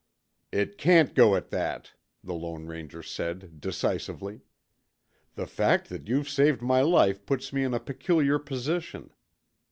"It can't go at that," the Lone Ranger said decisively. "The fact that you've saved my life puts me in a peculiar position."